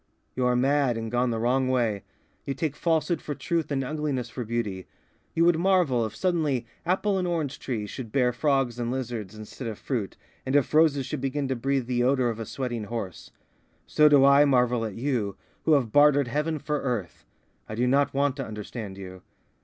"You are mad, and gone the wrong way. You take falsehood for truth and ugliness for beauty. You would marvel if suddenly apple and orange trees should bear frogs and lizards instead of fruit, and if roses should begin to breathe the odour of a sweating horse. So do I marvel at you, who have bartered heaven for earth. I do not want to understand you.